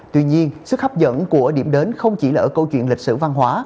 tuy nhiên sức hấp dẫn của điểm đến không chỉ là ở câu chuyện lịch sử văn hóa